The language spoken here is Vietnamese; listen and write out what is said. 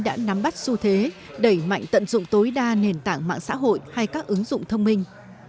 đã nắm bắt xu thế đẩy mạnh tận dụng tối đa nền tảng mạng xã hội hay các ứng dụng thông minh